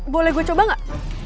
boleh gue coba gak